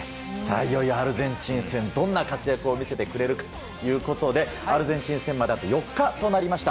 いよいよアルゼンチン戦どんな活躍を見せてくれるかということでアルゼンチン戦まであと４日となりました。